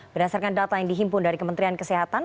berdasarkan data yang dihimpun dari kementerian kesehatan